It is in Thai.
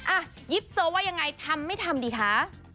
อ่ะยิปโซว่ายังไงทำไม่ทำดีคะ